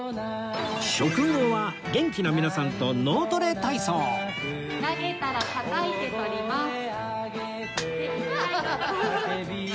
食後は元気な皆さんと脳トレ体操投げたらたたいて捕ります。